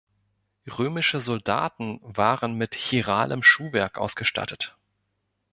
Römische Soldaten waren mit chiralem Schuhwerk ausgestattet.